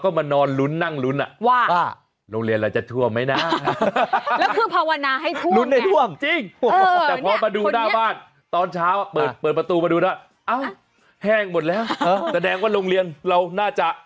ขอบคุณมากเลยนะคะที่มาคอนเซิร์ตของเราวันนี้นะคะ